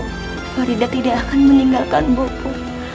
tidak boko farida tidak akan meninggalkan boko